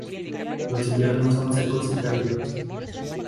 Los inviernos son secos y cálidos.